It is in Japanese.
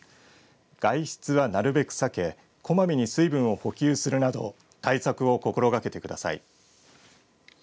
外出はなるべく避けこまめに水分を補給するなど対策を心がけてください。